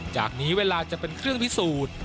จากนี้เวลาจะเป็นเครื่องพิสูจน์